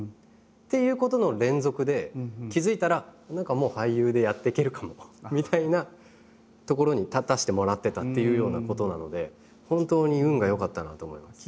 っていうことの連続で気付いたら何かもう俳優でやってけるかもみたいなところに立たせてもらってたっていうようなことなので本当に運がよかったなと思います。